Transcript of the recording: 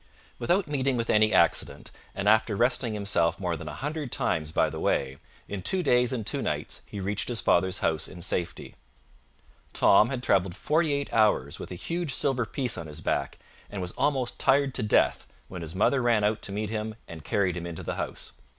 Without meeting with any accident, and after resting himself more than a hundred times by the way, in two days and two nights he reached his father's house in safety. Tom had traveled forty eight hours with a huge silver piece on his back, and was almost tired to death, when his mother ran out to meet him and carried him into the house.